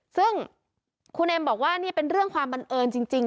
ซึ่งคุณเอ็มบอกว่านี่เป็นเรื่องความบังเอิญจริง